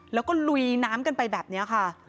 แล้วก็ลุยน้ำกันไปแบบนี้ค่ะ